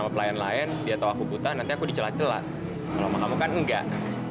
pelayan pelayan dia tahu aku buta nanti aku dicela cela kalau kamu kan enggak